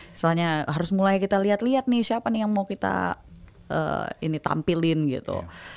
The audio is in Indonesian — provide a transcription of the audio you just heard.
misalnya harus mulai kita lihat lihat nih siapa nih yang mau kita ini tampilin gitu